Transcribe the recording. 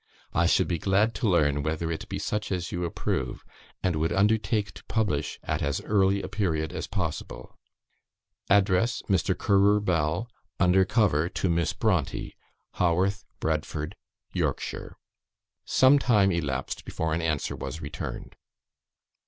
I should be glad to learn whether it be such as you approve, and would undertake to publish at as early a period as possible. Address, Mr. Currer Bell, under cover to Miss Brontë, Haworth, Bradford, Yorkshire." Some time elapsed before an answer was returned.